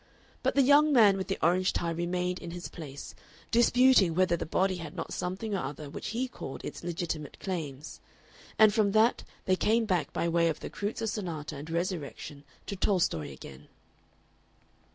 But the young man with the orange tie remained in his place, disputing whether the body had not something or other which he called its legitimate claims. And from that they came back by way of the Kreutzer Sonata and Resurrection to Tolstoy again.